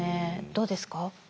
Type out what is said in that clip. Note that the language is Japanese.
どうですか。